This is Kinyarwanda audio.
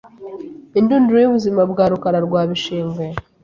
Indunduro y’ubuzima bwa Rukara rwa Bishingwe